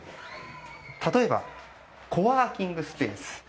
例えば、コワーキングスペース。